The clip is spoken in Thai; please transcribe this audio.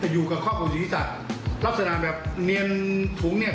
อยู่กับครอบครัวศีรษะลักษณะแบบเนียนถุงเนี่ย